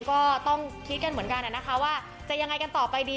ก็ต้องคิดกันเหมือนกันนะคะว่าจะยังไงกันต่อไปดี